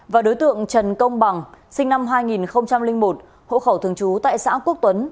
và đối tượng trần công bằng sinh năm hai nghìn một hộ khẩu thường trú tại xã quốc tuấn